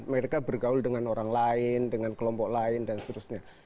mereka bergaul dengan orang lain dengan kelompok lain dan seterusnya